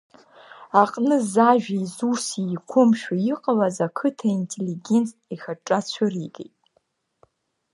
Аҟны зажәеи зуси еиқәымшәо иҟалаз ақыҭа интеллигент ихаҿра цәыригеит.